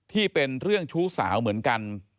เป็นเรื่องชู้สาวเหมือนกัน